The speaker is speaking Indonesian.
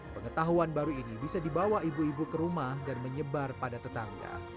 pengetahuan baru ini bisa dibawa ibu ibu ke rumah dan menyebar pada tetangga